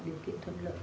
điều kiện thuận lợi